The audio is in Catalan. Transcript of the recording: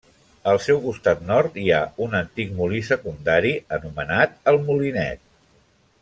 Al seu costat nord hi ha un antic molí secundari, anomenat el Molinet.